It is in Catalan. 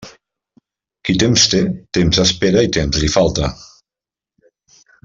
Qui temps té, temps espera i temps li falta.